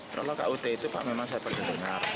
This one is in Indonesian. kalau ke ut itu pak memang saya pernah dengar